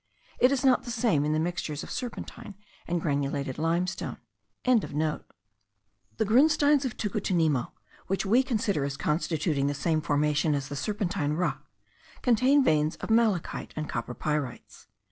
It is not the same in the mixtures of serpentine and granulated limestone.) The grunsteins of Tucutunemo, which we consider as constituting the same formation as the serpentine rock, contain veins of malachite and copper pyrites.